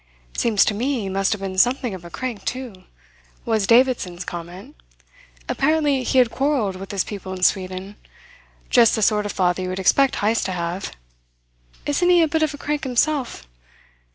"Seems to me he must have been something of a crank, too," was Davidson's comment. "Apparently he had quarrelled with his people in Sweden. Just the sort of father you would expect Heyst to have. Isn't he a bit of a crank himself?